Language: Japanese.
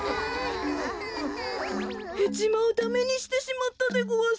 ヘチマをダメにしてしまったでごわす。